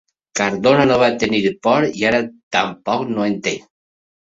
Cardona no va tenir por i ara tampoc no en té.